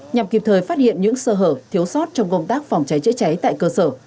nhằm kịp thời phát hiện những sơ hở thiếu sót trong công tác phòng cháy chữa cháy tại cơ sở